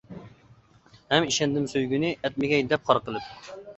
ھەم ئىشەندىم سۆيگۈنى، ئەتمىگەي دەپ خار قىلىپ.